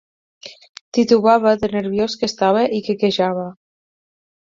Titubava de nerviós que estava i quequejava.